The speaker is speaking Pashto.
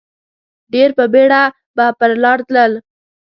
ډېر په بېړه به پر لار تلل.